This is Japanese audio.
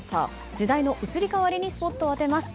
時代の移り変わりにスポットを当てます。